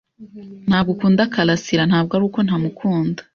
"Ntabwo ukunda karasira?" "Ntabwo ari uko ntamukunda,